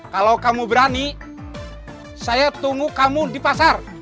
kalau kamu berani saya tunggu kamu di pasar